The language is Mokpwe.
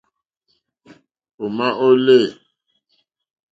Ò má ó lê.